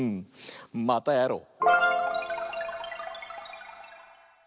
またやろう！